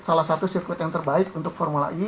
salah satu sirkuit yang terbaik untuk formula e